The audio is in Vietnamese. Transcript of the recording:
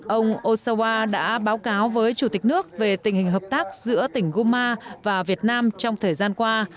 ông osawa đã báo cáo với chủ tịch nước về tình hình hợp tác giữa tỉnh guma và việt nam trong thời gian qua